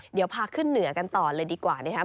เดี๋ยวพาขึ้นเหนือกันต่อเลยดีกว่านะครับ